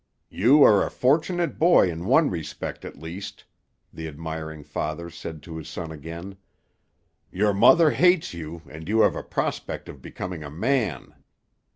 "You are a fortunate boy in one respect, at least," the admiring father said to his son again. "Your mother hates you, and you have a prospect of becoming a man.